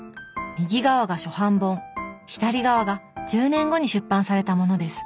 右側が初版本左側が１０年後に出版されたものです。